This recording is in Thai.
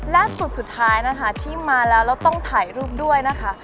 และจุดสุดท้ายนะคะที่มาแล้วแล้วต้องถ่ายรูปด้วยนะคะ